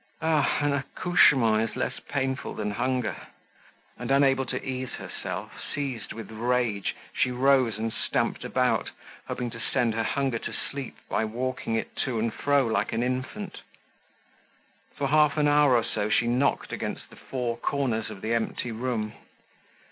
Ah! an accouchement is less painful than hunger! And unable to ease herself, seized with rage, she rose and stamped about, hoping to send her hunger to sleep by walking it to and fro like an infant. For half an hour or so, she knocked against the four corners of the empty room.